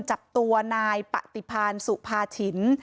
จับตัวนายปฏิพานสุภาชิน